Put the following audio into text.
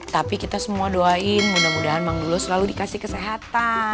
tapi kita semua doain mudah mudahan memang dulu selalu dikasih kesehatan